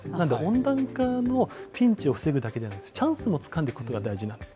温暖化のピンチを防ぐだけでなく、チャンスもつかんでいくということが大事なんです。